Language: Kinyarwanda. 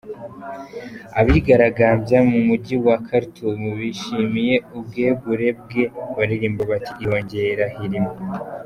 Abigaragarambya mu mujyi wa Khartoum bishimiye ubwegure bwe baririmba bati ‘irongeye irahirimye.’